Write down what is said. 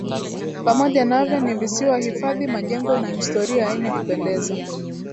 Pamoja navyo ni visiwa hifadhi majengo na historia yenye kupendeza